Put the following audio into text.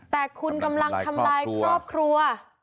แต่คุณกำลังทำลายครอบครัว